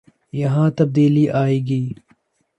یہاں تبدیلی آئے گی۔